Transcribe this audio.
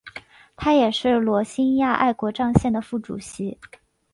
他也是罗兴亚爱国障线的副主席。